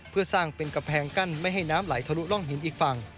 เพื่อสร้างเป็นกำแพงกั้นไม่ให้น้ำไหลทะลุร่องหินอีกฝั่ง